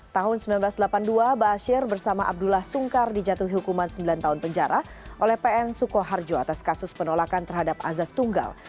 tahun seribu sembilan ratus delapan puluh dua ⁇ asyir ⁇ bersama abdullah sungkar dijatuhi hukuman sembilan tahun penjara oleh pn sukoharjo atas kasus penolakan terhadap azaz tunggal